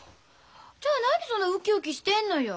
じゃあ何そんなウキウキしてんのよ。